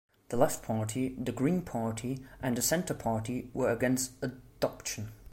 The Left Party, the Green Party and the Centre Party were against adoption.